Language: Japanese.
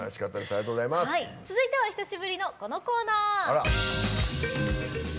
続いては久しぶりのこのコーナー。